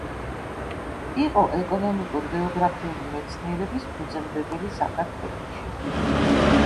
იყო ეკონომიკურ-გეოგრაფიული მეცნიერების ფუძემდებელი საქართველოში.